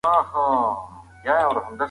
رحمان بابا د مجردو فکرونو خاوند و.